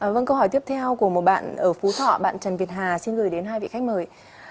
vâng câu hỏi tiếp theo của một bạn ở phú thọ bạn trần việt hà xin gửi đến hai vị khách mời